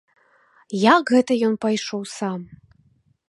Як гэта ён пайшоў сам?